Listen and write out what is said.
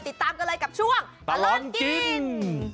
ติดตามกันเลยกับช่วงตลอดกิน